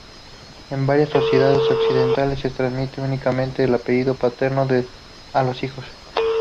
En varias sociedades occidentales, se transmite únicamente el apellido paterno a los hijos.